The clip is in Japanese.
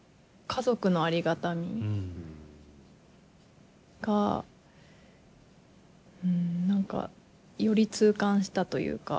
家族のありがたみが何かより痛感したというか。